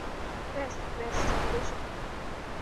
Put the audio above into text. ব্যস বসে থাকবো?